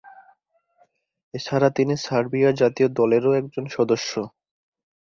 এছাড়া তিনি সার্বিয়া জাতীয় দলেরও একজন সদস্য।